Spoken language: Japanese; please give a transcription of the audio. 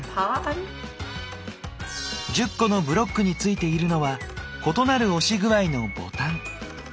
１０個のブロックについているのは異なる押し具合のボタン。